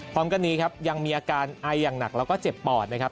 พร้อมกันนี้ครับยังมีอาการไออย่างหนักแล้วก็เจ็บปอดนะครับ